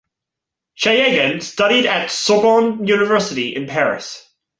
Shayegan studied at Sorbonne University in Paris.